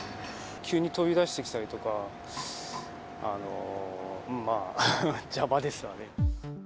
急に飛び出してきたりとか、まあ、邪魔ですわね。